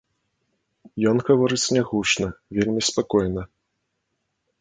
Ён гаворыць нягучна, вельмі спакойна.